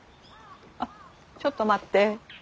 あっちょっと待って。